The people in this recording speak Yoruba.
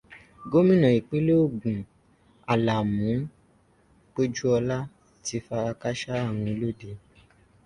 Gómìnà ìpínlẹ̀ Ògùn Àlàmú Péjúọlá ti fara kásá ààrùn olóde.